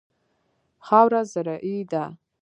خاوره زرعي ده.